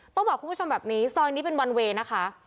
ต้องบอกคุณผู้ชมแบบนี้ซอยนี้เป็นวันเวย์นะคะ